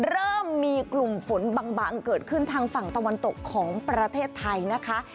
เริ่มมีกลุ่มฝนบางเกิดขึ้นทางฝั่งตะวันตกของประเทศไทยนะคะ